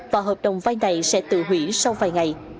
và hợp đồng vai này sẽ tự hủy sau vài ngày